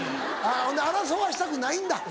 ほんで争わせたくないんだ